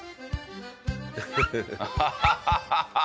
ハハハハッ！